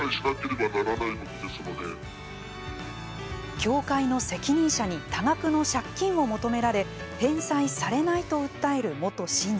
教会の責任者に多額の借金を求められ返済されないと訴える元信者。